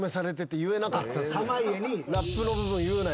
濱家に。